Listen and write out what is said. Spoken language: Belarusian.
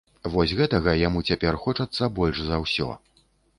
Вось гэтага яму цяпер хочацца больш за ўсё.